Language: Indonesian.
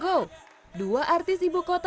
rian ibram dan patricia goh